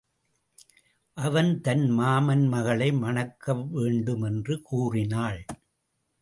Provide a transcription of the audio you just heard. அவன் தன் மாமன் மகளை மணக்கவேண்டும் என்று கூறினாள்.